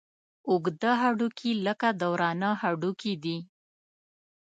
اوږده هډوکي لکه د ورانه هډوکي دي.